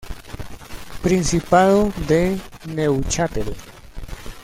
Principado de Neuchâtel